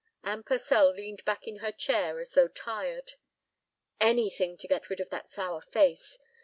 Anne Purcell leaned back in her chair as though tired. "Anything to get rid of that sour face.